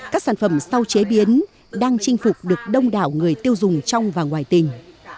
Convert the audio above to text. các sản phẩm sau chế biến đang chinh phục được đông đảo người tiêu dùng trong và ngoài tỉnh